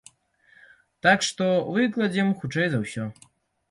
Так што выкладзем, хутчэй за ўсё.